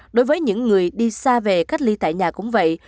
đối với những người đi xa về cách ly tại nhà cũng vậy